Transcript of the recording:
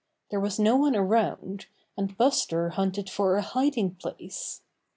There was no one around, and Buster hunted for a hiding place.